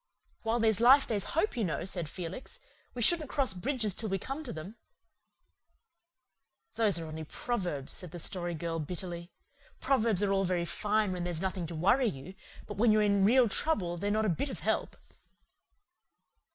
"While there's life there's hope, you know," said Felix. "We shouldn't cross bridges till we come to them." "Those are only proverbs," said the Story Girl bitterly. "Proverbs are all very fine when there's nothing to worry you, but when you're in real trouble they're not a bit of help."